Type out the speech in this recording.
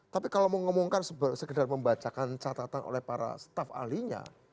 tapi kalau mau ngomongkan sekedar membacakan catatan oleh para staf alinya